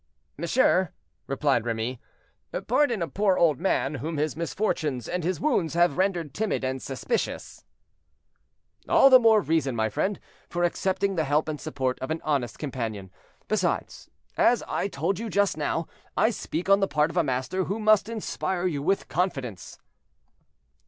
"Monsieur," replied Remy, "pardon a poor old man, whom his misfortunes and his wounds have rendered timid and suspicious." "All the more reason, my friend, for accepting the help and support of an honest companion; besides, as I told you just now, I speak on the part of a master who must inspire you with confidence."